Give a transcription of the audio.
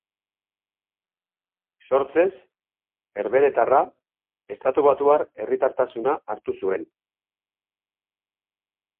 Sortzez herbeheretarra, estatubatuar herritartasuna hartu zuen.